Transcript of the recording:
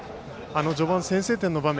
序盤の先制点の場面